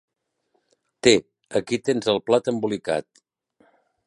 Té, aquí tens el plat embolicat.